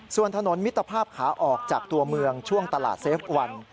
ส่วนถนนมิตรภาพขาออกจากตัวเมืองช่วงตลาดเซฟวัน